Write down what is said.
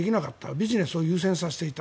ビジネスを優先させていた